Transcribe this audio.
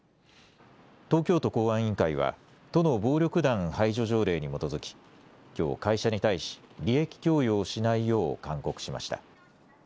東京都公安委員会は都の暴力団排除条例に基づききょう会社に対し、利益供与をしないよう勧告しました。